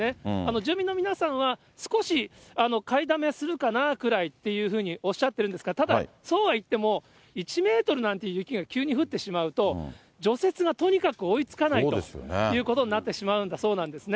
住民の皆さんは少し買いだめするかなくらいっていうふうにおっしゃってるんですが、ただそうはいっても、１メートルなんて雪が急に降ってしまうと、除雪がとにかく追いつかないということになってしまうんだそうなんですね。